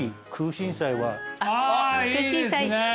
あいいですね。